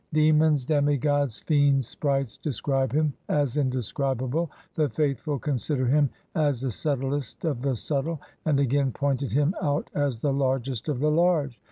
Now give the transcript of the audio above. Demons, demigods, fiends, sprites, describe Him as in describable. The faithful consider Him as the subtilest of the subtile, and again pointed Him out as the largest of the large.